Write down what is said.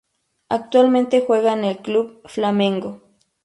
Actualmente juega en el club Flamengo.